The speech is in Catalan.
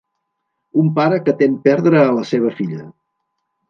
Un pare que tem perdre a la seva filla.